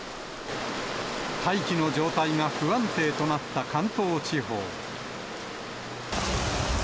大気の状態が不安定となった関東地方。